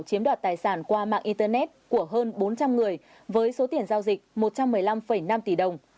chiếm đoạt tài sản qua mạng internet của hơn bốn trăm linh người với số tiền giao dịch một trăm một mươi năm năm tỷ đồng